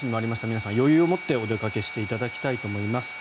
皆さん、余裕を持ってお出かけしていただきたいと思います。